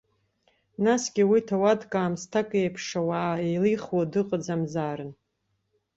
Насгьы уи ҭауадк-аамсҭак иеиԥш ауаа еилихуа дыҟаӡамзаарын.